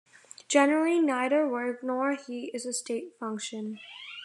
Generally, neither work nor heat is a state function.